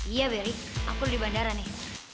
iya beri aku di bandara nih